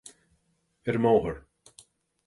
Ar an mbóthar